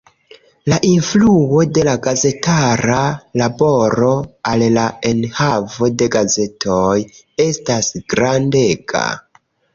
La influo de la gazetara laboro al la enhavo de gazetoj estas grandega.